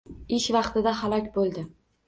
Ish vaqtida halok bo`ldi